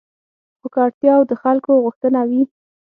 خو که اړتیا او د خلکو غوښتنه وي